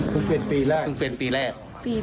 คือเป็นปีแรกนี่ครับคือเป็นปีแรก